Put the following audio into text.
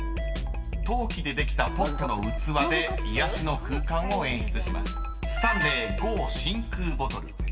［陶器でできたポットの器で癒やしの空間を演出します］